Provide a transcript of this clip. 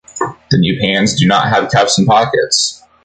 The new pants do not have cuffs and pockets.